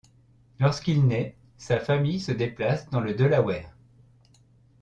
Lorsqu'il nait, sa famille se déplace dans le Delaware.